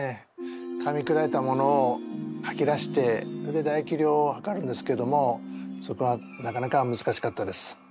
かみくだいたものをはき出してそれでだ液量を測るんですけどもそこはなかなかむずかしかったです。